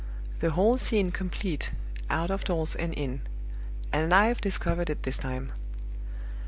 The whole scene complete, out of doors and in; and I've discovered it this time!"